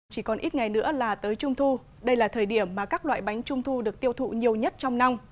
chỉ còn ít ngày nữa là tới trung thu đây là thời điểm mà các loại bánh trung thu được tiêu thụ nhiều nhất trong năm